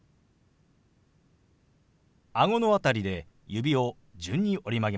顎の辺りで指を順に折り曲げます。